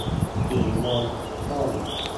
สีวง : ส้ม